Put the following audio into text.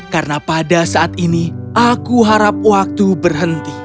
karena pada saat ini aku harap waktu berhenti